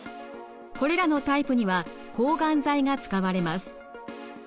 これらのタイプには抗がん剤が使われます。